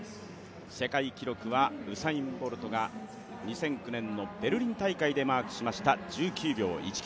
世界記録はウサイン・ボルトが２００９年のベルリン大会でマークしました１９秒１９。